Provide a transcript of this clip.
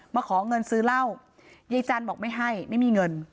มาขอเงินซื้อเหล้ายายจันทร์บอกไม่ให้ไม่มีเงิน